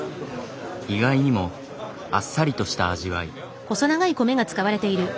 意外にもあっさりとした味わい。